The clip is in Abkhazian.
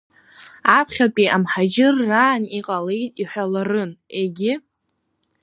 Аԥхьатәи амҳаџьырраан иҟалеит иҳәаларын, егьы…